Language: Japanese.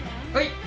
はい！